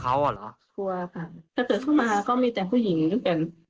ครัวค่ะแต่เติดขึ้นมาก็มีแต่ผู้หญิงอยู่กัน